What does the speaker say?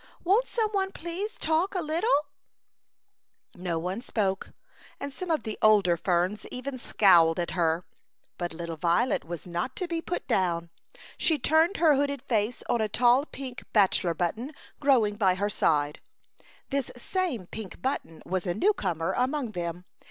Won't some one please talk a little ?^' No one spoke, and some of the older ferns even scowled at her, but little violet was not to be put down. She turned her hooded face on a J ■ 1 : t A Chautauqua Idyl. 9 tall pink bachelor button growing by her side. This same pink button was a new comer among them.